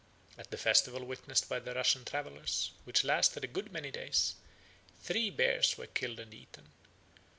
At the festival witnessed by the Russian travellers, which lasted a good many days, three bears were killed and eaten.